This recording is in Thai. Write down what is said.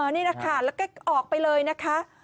นี่แหละค่ะแล้วก็ออกไปเลยนะคะ